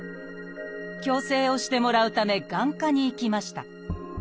矯正をしてもらうため眼科に行きました。